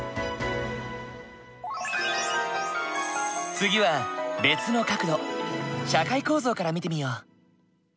次は別の角度社会構造から見てみよう。